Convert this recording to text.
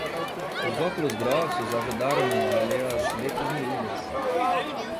Os óculos grossos ajudaram-no a ler as letras miúdas.